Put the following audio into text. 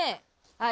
はい。